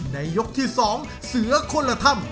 ในยกที่สองเสือคนละท่ำ